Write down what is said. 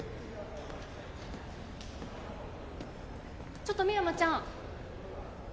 ちょっと深山ちゃん！